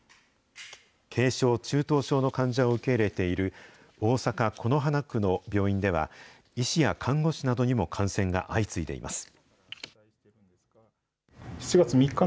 軽症・中等症の患者を受け入れている大阪・此花区の病院では、医師や看護師などにも感染が相次いでいます。